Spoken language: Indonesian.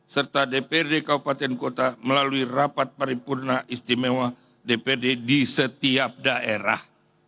serta dprd kabupaten kota melalui rapat paripurna istimewa dpd di setiap daerah